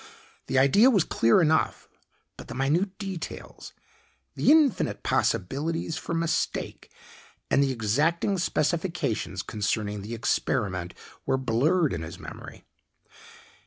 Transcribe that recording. The idea was clear enough, but the minute details, the infinite possibilities for mistake, and the exacting specifications concerning the experiment were blurred in his memory.